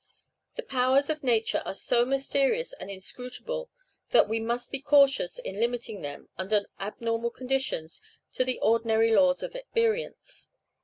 The powers of nature are so mysterious and inscrutable that we must be cautious in limiting them, under abnormal conditions, to the ordinary laws of experience.